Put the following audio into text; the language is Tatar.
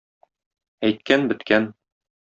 Әйткән - беткән!